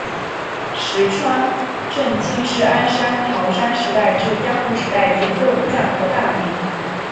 石川贞清是安土桃山时代至江户时代前期的武将和大名。